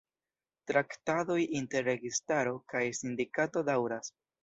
Traktadoj inter registaro kaj sindikato daŭras.